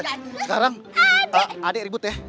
sekarang adik ribut ya